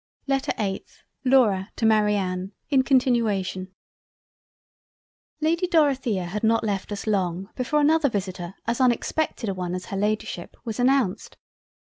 LETTER 8th LAURA to MARIANNE, in continuation Lady Dorothea had not left us long before another visitor as unexpected a one as her Ladyship, was announced.